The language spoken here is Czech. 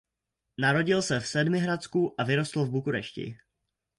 Narodil se v Sedmihradsku a vyrostl v Bukurešti.